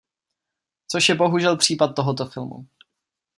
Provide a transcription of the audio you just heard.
Což je bohužel případ tohoto filmu.